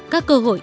các cơ hội